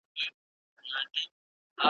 چي مي خولې ته د قاتل وم رسېدلی .